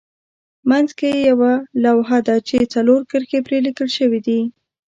منځ کې یوه لوحه ده چې څلور کرښې پرې لیکل شوې دي.